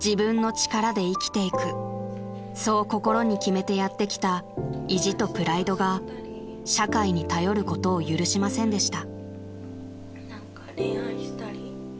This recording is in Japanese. ［そう心に決めてやってきた意地とプライドが社会に頼ることを許しませんでした］